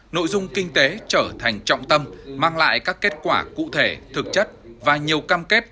nội dung kinh tế trở thành trọng tâm mang lại các kết quả cụ thể thực chất và nhiều cam kết